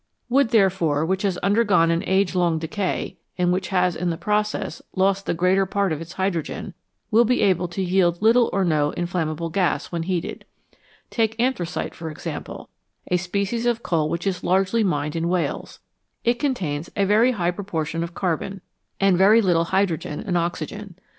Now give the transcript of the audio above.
Wood, therefore, which has undergone an age long decay, and which has in the process lost the greater part of its hydrogen, will be able to yield little or no inflammable gas when heated. Take anthracite, for example a species of coal which is largely mined in Wales ; it contains a very high proportion of carbon, and NATURE'S STORES OF FUEL very little hydrogen and oxygen.